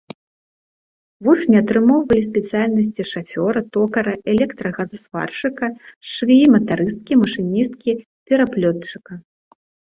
Вучні атрымоўвалі спецыяльнасці шафёра, токара, электрагазазваршчыка, швеі-матарысткі, машыністкі, пераплётчыка.